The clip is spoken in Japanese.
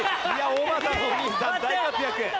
おばたのお兄さん大活躍。